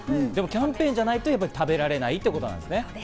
キャンペーンじゃないと食べられないってことですね。